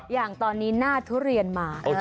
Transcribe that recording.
อย่างตอนนี้หน้าทุเรียนมา